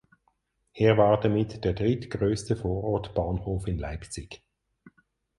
Er war damit der drittgrößte Vorortbahnhof in Leipzig.